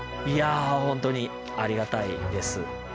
いやあ本当にありがたいです。